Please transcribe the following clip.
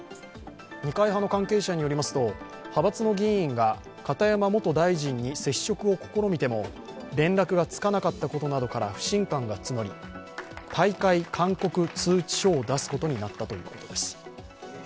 二階派の関係者によりますと、派閥の議員が片山元大臣に接触を試みても連絡がつかなかったことなどから不信感が募り、退会勧告通知書を出すことになったということです。